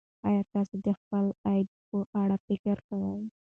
ایا تاسو د خپل عاید په اړه فکر کوئ.